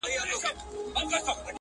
یو څو غمازي سترګي مي لیدلي دي په شپه کي٫